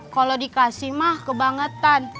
kalau dikasih mah kebangetan